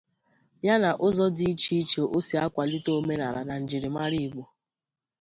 ya na ụzọ dị iche iche o si akwàlite omenala na njirimara Igbo